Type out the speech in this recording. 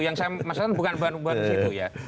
yang saya maksudkan bukan bahan bahan itu ya